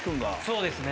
そうですね。